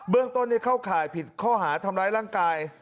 เรื่องต้นเข้าข่ายผิดข้อหาทำร้ายร่างกาย